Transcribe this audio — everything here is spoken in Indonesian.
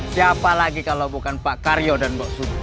siapa lagi kalau bukan pak karyo dan mbok subi